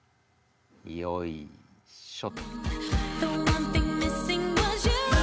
よいしょ。